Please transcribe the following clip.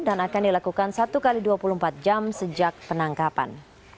dan akan dilakukan satu x dua puluh empat jam sejak penangkapan